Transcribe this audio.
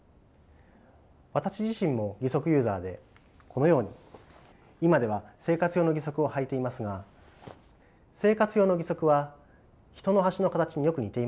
私自身も義足ユーザーでこのように今では生活用の義足をはいていますが生活用の義足は人の足の形によく似ていますよね。